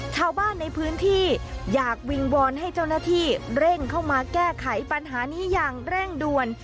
ชาวบ้านในพื้นที่อยากวิงวอนให้เจ้าหน้าที่เร่งเข้ามาแก้ไขปัญหานี้อย่างเร่งด่วน